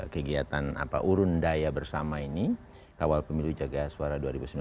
kegiatan urun daya bersama ini kawal pemilu jaga suara dua ribu sembilan belas